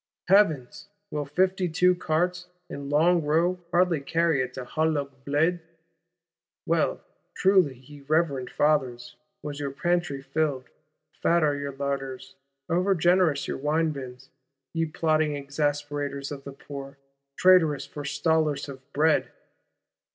—Heavens, will "fifty two carts," in long row, hardly carry it to the Halle aux Bleds? Well, truly, ye reverend Fathers, was your pantry filled; fat are your larders; over generous your wine bins, ye plotting exasperators of the Poor; traitorous forestallers of bread!